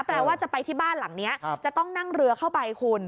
แปลว่าจะไปที่บ้านหลังนี้จะต้องนั่งเรือเข้าไปคุณ